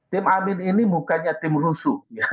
tim amin ini bukannya tim rusuh